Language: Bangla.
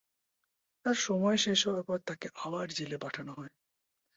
তার সময় শেষ হওয়ার পর তাকে আবার জেলে পাঠানো হয়।